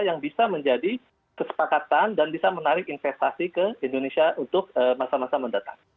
yang bisa menjadi kesepakatan dan bisa menarik investasi ke indonesia untuk masa masa mendatang